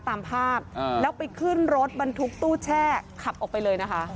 ตามภาพแล้วไปขึ้นรถบรรทุกตู้แช่ขับออกไปเลยนะคะ